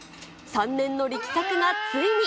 ３年の力作がついに。